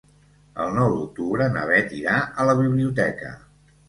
El nou d'octubre na Bet irà a la biblioteca.